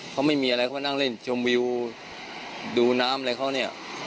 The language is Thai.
เขาไม่มีอะไรเขานั่งเล่นชมวิวดูน้ำอะไรเขาเนี่ย